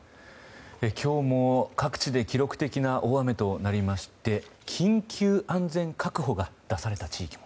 今日も各地で記録的な大雨となりまして緊急安全確保が出された地域も。